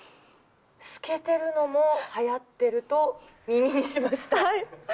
透けてるのもはやってると耳にしました。